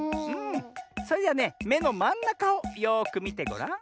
それではねめのまんなかをよくみてごらん。